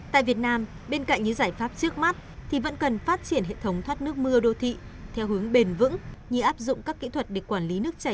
tại việt nam bên cạnh những giải pháp trước mắt thì vẫn cần phát triển hệ thống thoát nước mưa đô thị theo hướng bền vững như áp dụng các kỹ thuật để quản lý nước chảy